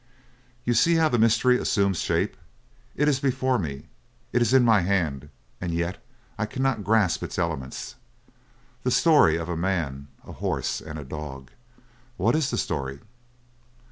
"You see how the mystery assumes shape? It is before me. It is in my hand. And yet I cannot grasp its elements. "The story of a man, a horse, and a dog. What is the story?